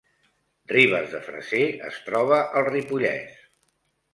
Ribes de Freser es troba al Ripollès